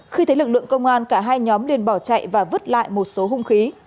khi thấy lực lượng công an cả hai nhóm liền bỏ chạy và vứt lại một số hung khí